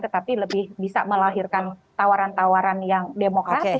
tetapi lebih bisa melahirkan tawaran tawaran yang demokratis